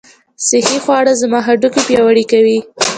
صحي خواړه زما هډوکي پیاوړي کوي.